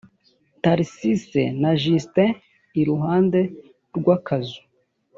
tharcisse na justin iruhande rw akazu